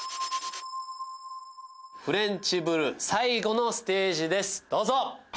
フレンチぶる最後のステージですどうぞ！